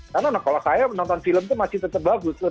karena kalau saya menonton film itu masih tetap bagus